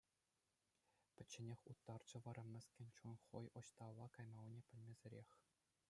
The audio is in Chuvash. Пӗчченех уттарчӗ вара мӗскӗн чун хӑй ӑҫталла каймаллине пӗлмесӗрех.